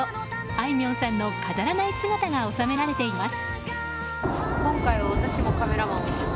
あいみょんさんの飾らない姿が収められています。